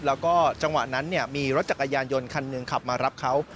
แล้วก็จังหวะนั้นมีรถจักรยานยนต์คันหนึ่งขับมารับเขา